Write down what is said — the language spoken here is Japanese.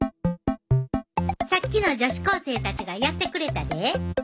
さっきの女子高生たちがやってくれたで。